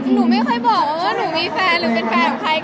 หนูไม่ค่อยบอกว่าหนูมีแฟนหรือเป็นแฟนของใคร